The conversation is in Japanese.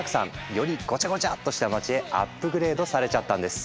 よりごちゃごちゃっとした街へアップグレードされちゃったんです。